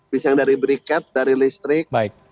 bisa yang dari briket dari listrik